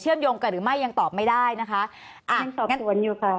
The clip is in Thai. ยงกันหรือไม่ยังตอบไม่ได้นะคะอ่ายังสอบสวนอยู่ค่ะ